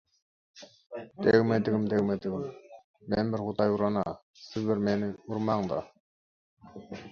– Degmedigim, degmedigim. Men bir Hudaý uran-a, siz bir meni urmaň-da.